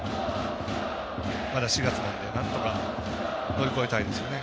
まだ４月なのでなんとか乗り越えたいですよね。